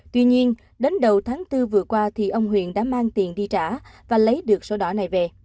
tuy nhiên đến đầu tháng bốn vừa qua thì ông huyền đã mang tiền đi trả và lấy được số đỏ này về